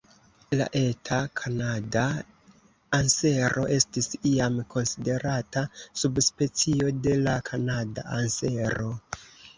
La Eta kanada ansero estis iam konsiderata subspecio de la Kanada ansero.